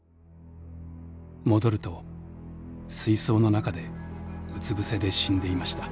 戻ると水槽の中でうつ伏せで死んでいました」。